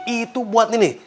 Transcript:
itu buat ini nih